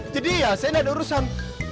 jadi ya saya ini ada urusan